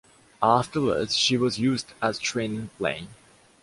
Afterwards, she was used as training plane.